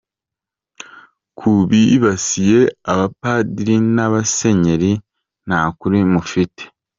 Ku bibasiye abapadiri n'abasenyeri nta kuri mufite.